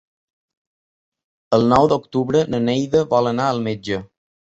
El nou d'octubre na Neida vol anar al metge.